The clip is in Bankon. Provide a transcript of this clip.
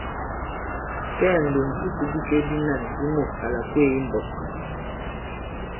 Kɛɛ ǹlòŋ isī bikek binân bi mût à làkweē i m̀mbɔk.